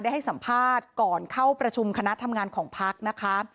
ให้สัมภาษณ์ก่อนเข้าประชุมคณะทำงานของพักนะคะ